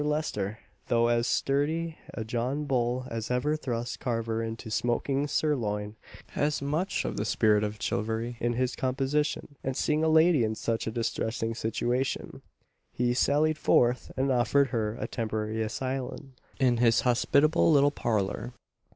Lester, though as sturdy a John Bull as ever thrust carver into smoking sirloin, has much of the spirit of chivalry in his composition, and seeing a lady in such a distressing situation, he sallied forth and offered her a temporary asylum in his hospitable little parlour.